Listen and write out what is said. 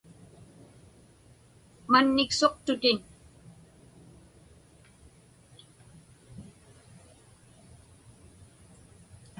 Manniksuqtutin.